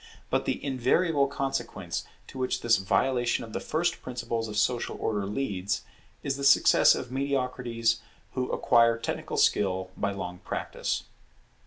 But the invariable consequence to which this violation of the first principles of social order leads, is the success of mediocrities who acquire technical skill by long practice.